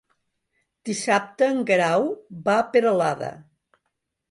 Dissabte en Guerau va a Peralada.